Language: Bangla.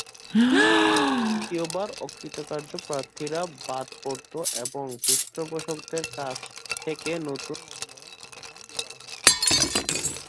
দ্বিতীয়বার অকৃতকার্য প্রার্থীরা বাদ পড়ত এবং পৃষ্ঠপোষকদের কাছ থেকে নতুন মনোনয়ন আহবান করা হতো।